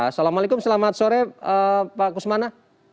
assalamualaikum selamat sore pak kusmana